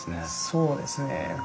そうですね。